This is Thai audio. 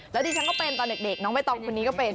แล้วดิฉันก็เป็นตอนเด็กน้องใบตองคนนี้ก็เป็น